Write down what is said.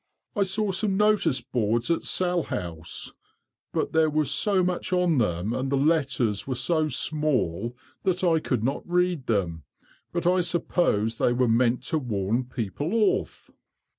"I saw some notice boards at Salhouse, but there was so much on them, and the letters were so small, that I could not read them, but I suppose they were meant to warn people off."